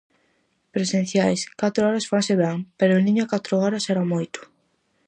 Presenciais, catro horas fanse ben, pero en liña catro horas era moito.